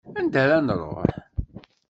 Anda ara nruḥ?